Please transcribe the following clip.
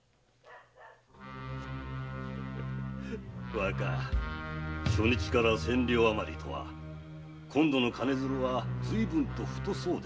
若初日から千両あまりとは今度の金づるはずいぶんと太そうですな。